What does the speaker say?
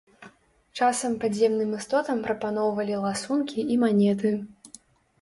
Часам падземным істотам прапаноўвалі ласункі і манеты.